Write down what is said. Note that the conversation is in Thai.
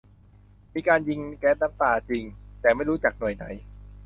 มีการยิงแก๊สน้ำตาจริง แต่ไม่รู้จากหน่วยไหน